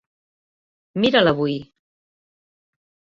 Mira'l avui.